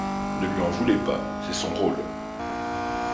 Ne lui en voulez pas, c’est son rôle.